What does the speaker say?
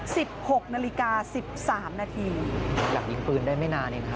สิบหกนาฬิกาสิบสามนาทีอยากยิงปืนได้ไม่นานเองค่ะ